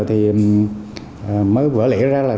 tất nhiên là đến bây giờ thì mới vỡ lẻ ra là tất nhiên là bất đồng sản